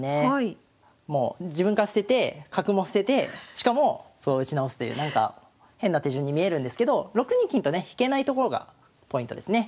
自分から捨てて角も捨ててしかも歩を打ち直すという変な手順に見えるんですけど６二金とね引けないところがポイントですね。